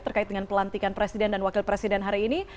terkait dengan pelantikan presiden dan wakil presiden hari ini